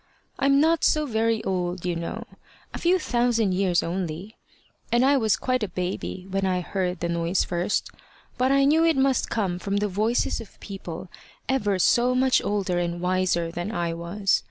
I'm not so very old, you know a few thousand years only and I was quite a baby when I heard the noise first, but I knew it must come from the voices of people ever so much older and wiser than I was.